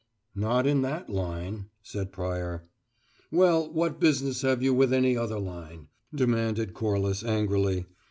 "Not in that line," said Pryor. "Well, what business have you with any other line?" demanded Corliss angrily.